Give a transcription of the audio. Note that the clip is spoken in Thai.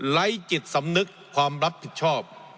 จิตสำนึกความรับผิดชอบ